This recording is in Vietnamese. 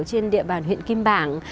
trên địa bàn huyện kim bảng